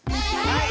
はい！